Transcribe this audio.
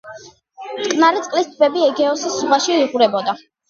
მტკნარი წლის ტბები ეგეოსის ზღვაში იღვრებოდა.